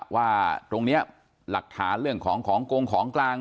ว่าตรงนี้หลักฐานเรื่องของของกงของกลาง